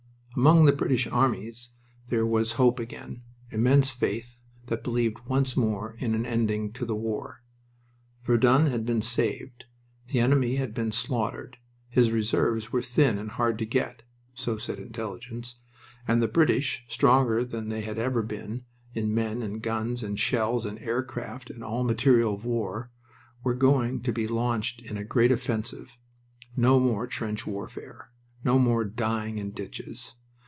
Among the British armies there was hope again, immense faith that believed once more in an ending to the war. Verdun had been saved. The enemy had been slaughtered. His reserves were thin and hard to get (so said Intelligence) and the British, stronger than they had ever been, in men, and guns, and shells, and aircraft, and all material of war, were going to be launched in a great offensive. No more trench warfare. No more dying in ditches.